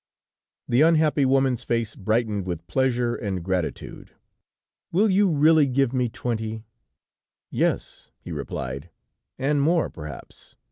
The unhappy woman's face brightened with pleasure and gratitude. "Will you really give me twenty?" "Yes," he replied, "and more perhaps.